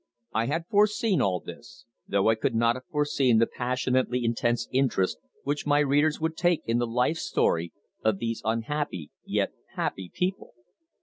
I had foreseen all this, though I could not have foreseen the passionately intense interest which my readers would take in the life story of these unhappy yet happy people.